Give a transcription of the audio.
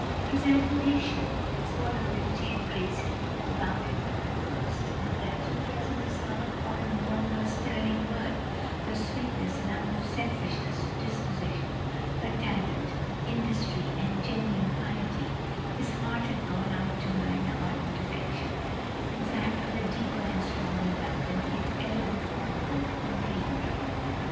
His admiration for her beauty and grace had been unbounded from the first, and gradually as he discovered more and more of her sterling worth, her sweetness and unselfishness of disposition, her talent, industry, and genuine piety, his heart had gone out to her in ardent affection; in fact with a deeper and stronger love than he had ever before known or dreamed of.